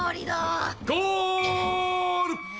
「ゴール！」